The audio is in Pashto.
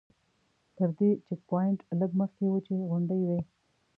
تر دې چیک پواینټ لږ مخکې وچې غونډۍ وې.